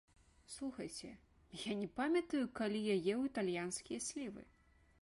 Слухайце, я не памятаю, калі я еў італьянскія слівы!